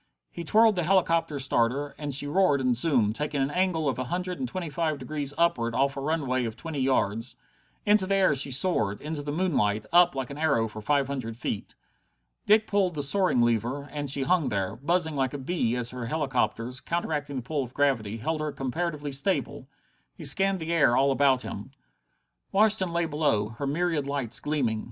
He twirled the helicopter starter, and she roared and zoomed, taking an angle of a hundred and twenty five degrees upward off a runway of twenty yards. Into the air she soared, into the moonlight, up like an arrow for five hundred feet. Dick pulled the soaring lever, and she hung there, buzzing like a bee as her helicopters, counteracting the pull of gravity, held her comparatively stable. He scanned the air all about him. Washington lay below, her myriad lights gleaming.